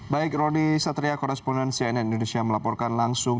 baik rodi satria korresponden cnn indonesia melaporkan langsung